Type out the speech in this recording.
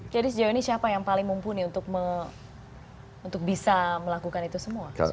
jadi sejauh ini siapa yang paling mumpuni untuk bisa melakukan itu semua